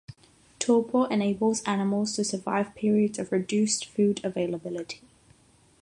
Torpor enables animals to survive periods of reduced food availability.